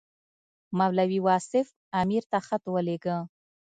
مولوي واصف امیر ته خط ولېږه.